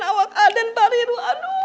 awak aden pariru aduh